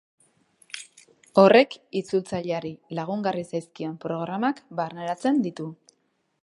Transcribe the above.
Horrek itzultzaileari lagungarri zaizkion programak barneratzen ditu.